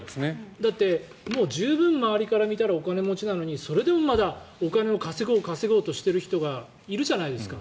だって、もう十分周りから見たらお金持ちなのにそれでもお金を稼ごうとしているじゃないですか。